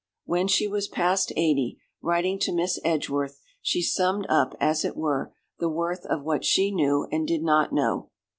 When she was past eighty, writing to Miss Edgeworth, she summed up, as it were, the worth of what she knew and did not know.